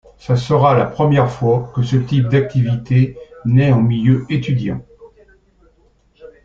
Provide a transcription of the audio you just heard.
Ce sera la première fois que ce type d’activité nait en milieu étudiant.